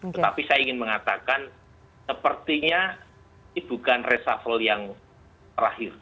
tetapi saya ingin mengatakan sepertinya ini bukan reshuffle yang terakhir